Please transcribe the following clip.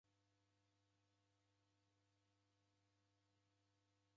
Sigha w'oruw'u dizighanaa ijo ilagho.